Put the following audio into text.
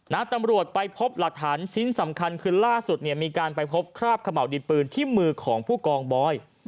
ตำรวจไปพบหลักฐานชิ้นสำคัญคือล่าสุดเนี่ยมีการไปพบคราบขม่าวดินปืนที่มือของผู้กองบอย